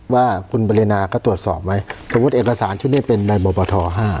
ว่าคุณปรินาก็ตรวจสอบไว้สมมุติเอกสารช่วยได้เป็นใบบับประทอห้า